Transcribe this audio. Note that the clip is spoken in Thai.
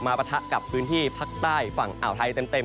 ปะทะกับพื้นที่ภาคใต้ฝั่งอ่าวไทยเต็ม